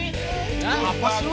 hah aku apa tengo